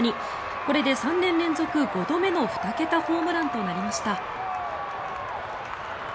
これで３年連続５度目の２桁ホームランとなりました。